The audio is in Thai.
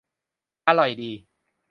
: อร่อยดี